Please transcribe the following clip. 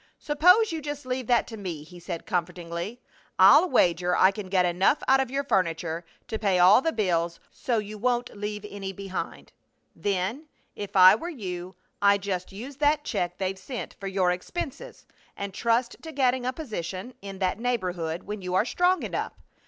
"Suppose you just leave that to me," he said, comfortingly. "I'll wager I can get enough out of your furniture to pay all the bills, so you won't leave any behind. Then if I were you I'd just use that check they've sent for your expenses, and trust to getting a position, in that neighborhood when you are strong enough.